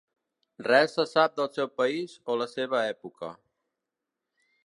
Res se sap del seu país o la seva època.